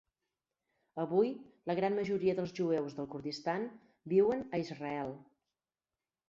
Avui, la gran majoria dels jueus del Kurdistan viuen a Israel.